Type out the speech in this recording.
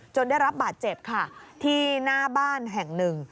ได้รับบาดเจ็บค่ะที่หน้าบ้านแห่งหนึ่ง